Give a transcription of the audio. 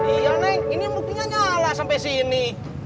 iya neng ini mungkin aja nyala sampai sini